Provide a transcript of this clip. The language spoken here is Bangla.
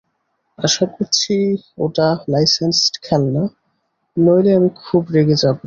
আশা করছি ওটা লাইসেন্সড খেলনা, নইলে আমি খুব রেগে যাবো।